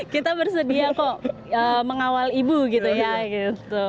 kita bersedia kok mengawal ibu gitu ya gitu